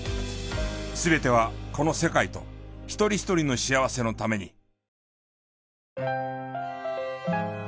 全てはこの世界と一人一人の幸せのために。